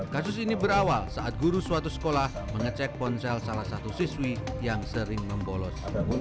kasus ini berawal saat guru suatu sekolah mengecek ponsel salah satu siswi yang sering membolos